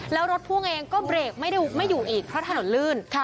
แล้วรถพ่วงเองก็เบรกไม่อยู่อีกเพราะถนนลื่น